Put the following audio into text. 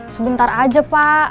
sebentar aja pak